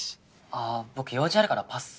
あ僕用事あるからパス。